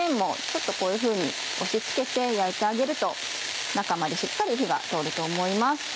ちょっとこういうふうに押し付けて焼いてあげると中までしっかり火が通ると思います。